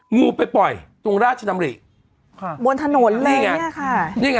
งูไปปล่อยตรงราชนำริเข้าบนถนนเลยเนี่ยค่ะ